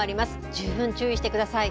十分注意してください。